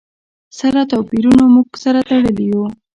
سره توپیرونو موږ سره تړلي یو.